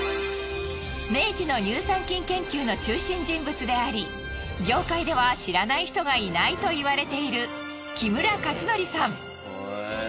明治の乳酸菌研究の中心人物であり業界では知らない人がいないと言われている木村勝紀さん。